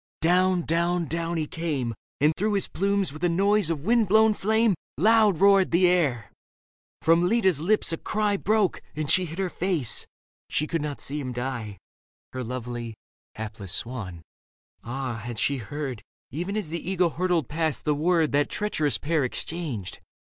Down, down he came. And through his plumes with a noise of wind blown flame I 6 Leda Loud roared the air. From Leda's lips a cry Broke, and she hid her face — she could not see him die, Her lovely, hapless swan. Ah, had she heard. Even as the eagle hurtled past, the word That treacherous pair exchanged.